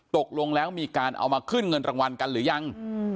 ตกลงแล้วมีการเอามาขึ้นเงินรางวัลกันหรือยัง